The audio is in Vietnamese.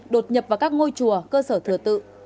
đột nhập vào các ngôi chùa cơ sở thừa tự